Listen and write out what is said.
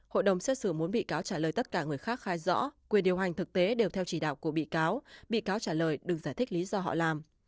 hội đồng xét xử muốn bị cáo trả lời tất cả người khác khai rõ quyền điều hành thực tế đều theo chỉ đạo của bị cáo bị cáo trả lời đừng giải thích lý do họ làm